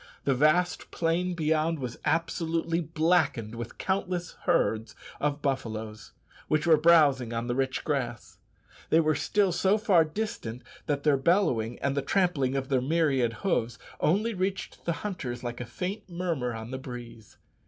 The vast plain beyond was absolutely blackened with countless herds of buffaloes, which were browsing on the rich grass. They were still so far distant that their bellowing, and the trampling of their myriad hoofs, only reached the hunters like a faint murmur on the breeze.